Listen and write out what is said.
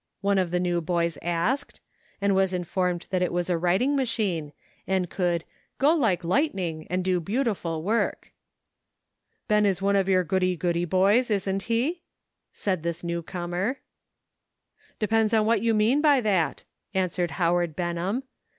one of the new boys asked, and was informed that it was a writing machine, and could "go like lightning and do beautiful work." " Ben is one of your goody goody boys, isn't he?" said this new comer. "Depends on what you mean by that," an swered Howard Benham.